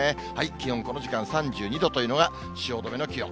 気温、この時間３２度というのが汐留の気温。